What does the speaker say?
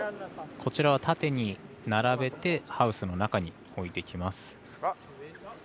こちらは縦に並べてハウスの中に置いてきます。